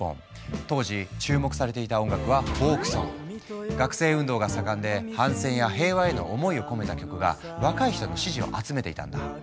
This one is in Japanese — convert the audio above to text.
当時注目されていた音楽は学生運動が盛んで反戦や平和への思いを込めた曲が若い人の支持を集めていたんだ。